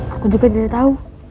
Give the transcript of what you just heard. aku juga tidak tahu